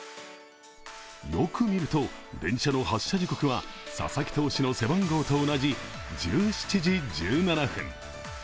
よく見ると、電車の発車時刻は佐々木投手の背番号と同じ１７時１７分。